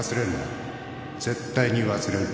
絶対に忘れるな。